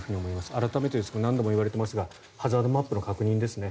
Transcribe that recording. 改めてですが何度も言われていますがハザードマップの確認ですね。